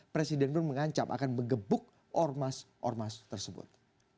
presiden pun mengancam akan mengebuk ormas ormas tersebut